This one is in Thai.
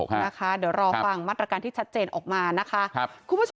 เดี๋ยวรอฟังมาตรการที่ชัดเจนออกมานะคะครับคุณผู้ชม